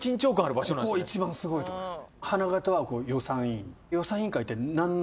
ここ一番すごいとこです。